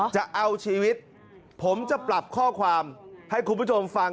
จะเอาชีวิตผมจะปรับข้อความให้คุณผู้ชมฟัง